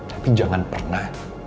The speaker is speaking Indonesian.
tapi jangan pernah